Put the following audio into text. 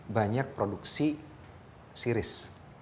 banyak produksi series